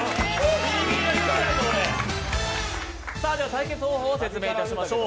対決方法を説明いたしましょう。